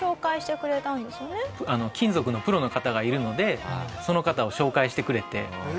金属のプロの方がいるのでその方を紹介してくれて。